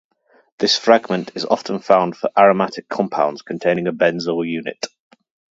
This fragment is often found for aromatic compounds containing a benzyl unit.